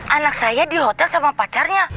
anak saya di hotel sama pacarnya